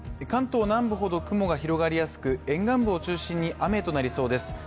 関東南部ほど雲が広がりやすく沿岸部を中心に雨となりそうです。